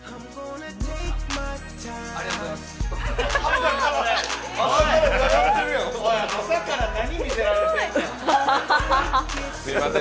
ありがとうございます。